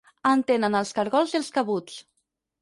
En tenen els cargols i els cabuts.